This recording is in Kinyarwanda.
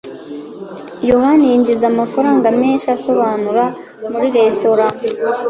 yohani yinjiza amafaranga menshi asobanura menus muri resitora.